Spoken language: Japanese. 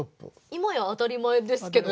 今や当たり前ですけどね。